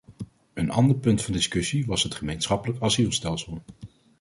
Een ander punt van discussie was het gemeenschappelijk asielstelsel.